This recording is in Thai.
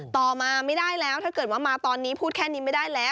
ต่อมาไม่ได้แล้วถ้าเกิดว่ามาตอนนี้พูดแค่นี้ไม่ได้แล้ว